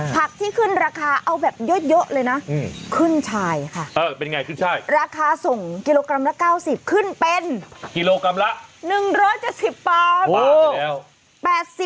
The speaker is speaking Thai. ที่ขึ้นราคาเอาแบบเยอะเลยนะขึ้นชายค่ะเป็นไงขึ้นชายราคาส่งกิโลกรัมละ๙๐ขึ้นเป็นกิโลกรัมละ๑๗๐บาท